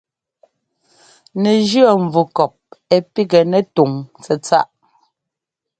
Nɛ jíɔ́ nvukɔp ɛ píkŋɛ nɛ túŋ tsɛ̂tsáʼ.